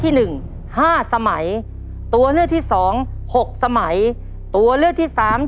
หนึ่งห้าสมัยตัวเลือกที่สองหกสมัยตัวเลือกที่สาม